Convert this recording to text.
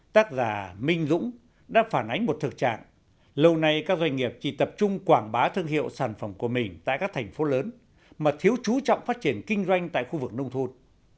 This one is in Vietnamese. tác giả minh dũng đã phản ánh một thực trạng lâu nay các doanh nghiệp chỉ tập trung quảng bá thương hiệu sản phẩm của mình tại các thành phố lớn mà thiếu chú trọng phát triển kinh doanh tại khu vực nông thôn